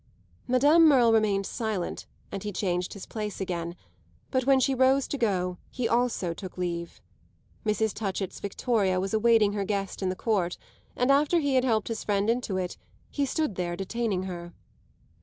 Madame Merle remained silent and he changed his place again; but when she rose to go he also took leave. Mrs. Touchett's victoria was awaiting her guest in the court, and after he had helped his friend into it he stood there detaining her.